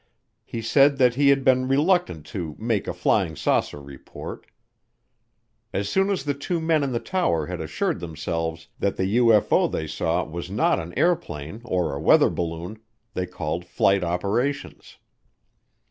He said that he had been reluctant to "make a flying saucer report." As soon as the two men in the tower had assured themselves that the UFO they saw was not an airplane or a weather balloon, they called Flight Operations.